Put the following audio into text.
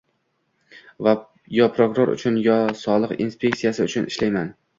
yo prokuror uchun, yo soliq inspeksiyasi uchun ishlamayman.